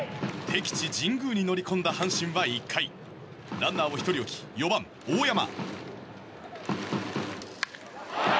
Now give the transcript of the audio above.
適地・神宮に乗り込んだ阪神は１回ランナーを１人置き４番、大山。